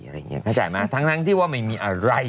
เชฬย์ใจไหมทั้งที่ว่าไม่มีอะไร